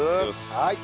はい。